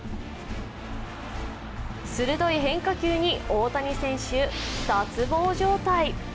鋭い変化球に大谷選手、脱帽状態。